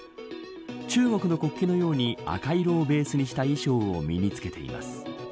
中国の国旗のように赤色をベースにした衣装を身につけています。